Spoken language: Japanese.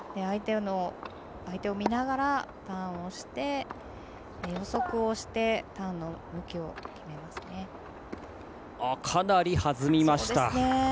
相手を見ながらターンをして予測をしてかなり弾みました。